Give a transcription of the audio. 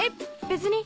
別に。